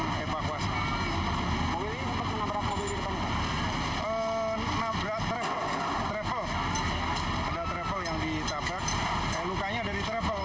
perkirakan penuh remnya